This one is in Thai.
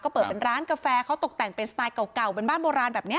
ก็เปิดเป็นร้านกาแฟเขาตกแต่งเป็นสไตล์เก่าเป็นบ้านโบราณแบบนี้